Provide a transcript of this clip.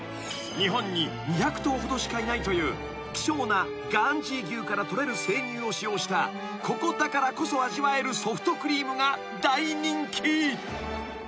［日本に２００頭ほどしかいないという希少なガーンジィ牛から取れる生乳を使用したここだからこそ味わえるソフトクリームが大人気］